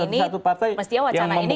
di satu partai yang membuka komunikasi